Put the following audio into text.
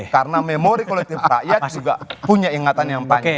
karena memori kolektif rakyat juga punya ingatan yang banyak